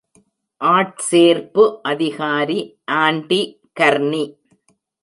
ஆட்சேர்ப்பு அதிகாரி ஆண்டி கர்னி.